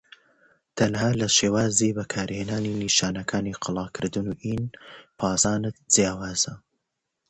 It differs only in the way that castling and "en passant" tags are used.